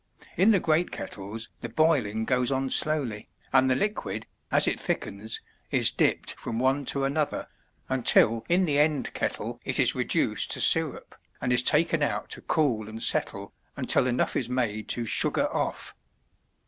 In the great kettles the boiling goes on slowly, and the liquid, as it thickens, is dipped from one to another, until in the end kettle it is reduced to sirup, and is taken out to cool and settle, until enough is made to "sugar off."